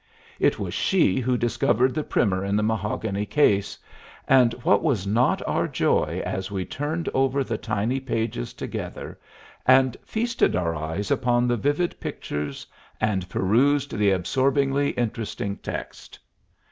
It was she who discovered the Primer in the mahogany case, and what was not our joy as we turned over the tiny pages together and feasted our eyes upon the vivid pictures and perused the absorbingly interesting text!